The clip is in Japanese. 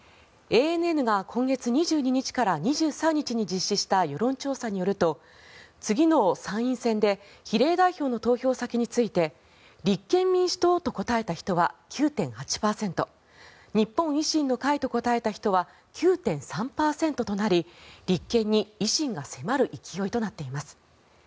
ＡＮＮが今月２２日から２３日に実施した世論調査によると、次の参院選で比例代表の投票先について立憲民主党と答えた人は９．８％日本維新の会と答えた人は９．３％となり立憲に維新が迫る勢いとなっています。